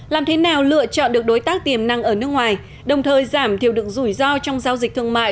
làm thế nào lựa chọn được đối tác tiềm năng ở nước ngoài đồng thời giảm thiểu được rủi ro trong giao dịch thương mại